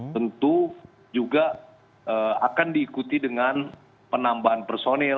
tentu juga akan diikuti dengan penambahan personil